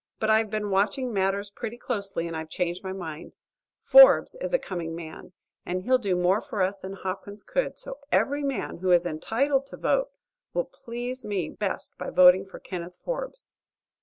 But I've been watching matters pretty closely, and I've changed my mind. Forbes is a coming man, and he'll do more for us all than Hopkins could. So every man who is entitled to vote will please me best by voting for Kenneth Forbes."